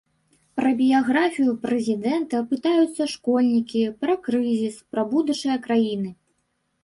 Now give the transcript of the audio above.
Пра біяграфію прэзідэнта пытаюцца школьнікі, пра крызіс, пра будучае краіны.